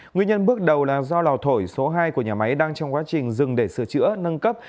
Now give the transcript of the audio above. nguyên nhân bước đầu là do lò thổi số hai của nhà máy đang trong quá trình dừng để sửa chữa nâng cấp